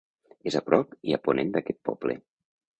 És a prop i a ponent d'aquest poble.